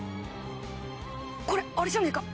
これあれじゃねえか？